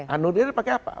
anulir pakai apa